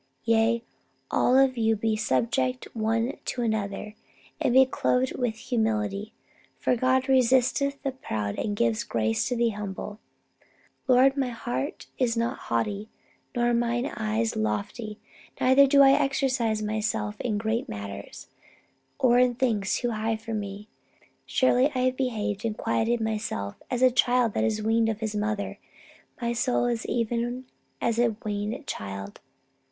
Yea, all of you be subject one to another, and be clothed with humility; for God resisteth the proud and giveth grace to the humble ... Lord, my heart is not haughty, nor mine eyes lofty, neither do I exercise myself in great matters, or in things too high for me. Surely I have behaved and quieted myself, as a child that is weaned of his mother: my soul is even as a weaned child